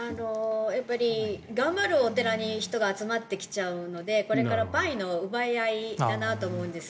頑張るお寺に人が集まってきちゃうのでこれからパイの奪い合いだなと思うんです。